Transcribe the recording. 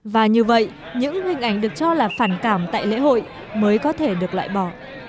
và như vậy những hình ảnh được cho là phản cảm tại lễ hội mới có thể được loại bỏ